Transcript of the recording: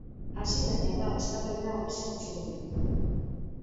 Hasi da jada, eztabaida arriskutsu hori.